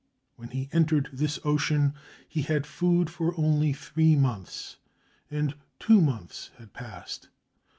When he entered this ocean, he had food for only three months, and two months had passed.